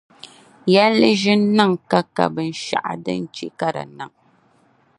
Yɛnli ʒi n-niŋ ka bɛn' shɛɣu din che ka di niŋ.